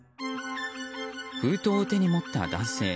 封筒を手に持った男性。